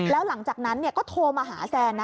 แล้วหลังจากนั้นก็โทรมาหาแซนนะ